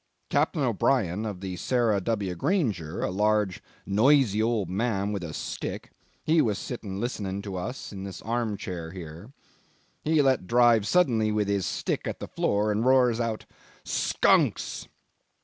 Captain O'Brien of the Sarah W. Granger, a large, noisy old man with a stick he was sitting listening to us in this arm chair here he let drive suddenly with his stick at the floor, and roars out, 'Skunks!